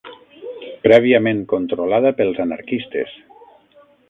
...prèviament controlada pels anarquistes